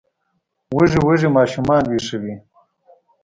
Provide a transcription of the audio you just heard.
وږي وږي ماشومان ویښوي